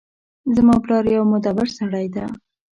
زما پلار یو مدبر سړی ده